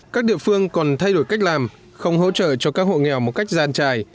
các địa phương còn thay đổi cách làm không hỗ trợ cho các hộ nghèo một cách gian trải